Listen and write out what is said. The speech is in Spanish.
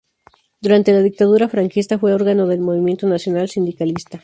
Durante la dictadura franquista fue órgano del Movimiento Nacional Sindicalista.